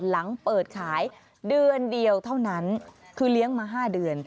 หลังเปิดขายเดือนเดียวเท่านั้นคือเลี้ยงมา๕เดือน